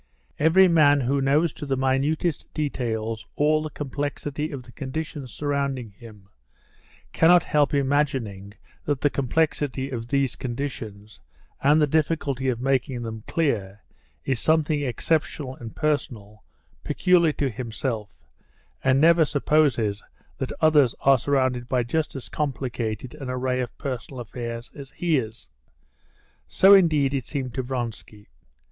Every man who knows to the minutest details all the complexity of the conditions surrounding him, cannot help imagining that the complexity of these conditions, and the difficulty of making them clear, is something exceptional and personal, peculiar to himself, and never supposes that others are surrounded by just as complicated an array of personal affairs as he is. So indeed it seemed to Vronsky.